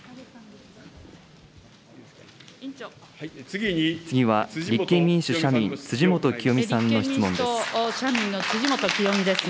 次は立憲民主・社民、辻元清美さんの質問です。